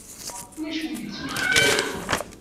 Ulac win i d-ittmektayen.